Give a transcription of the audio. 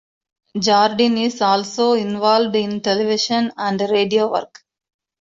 Jardin is also involved in television and radio work.